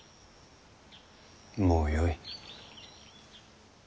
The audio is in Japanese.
もうよい。